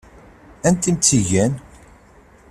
Anta i m-tt-igan?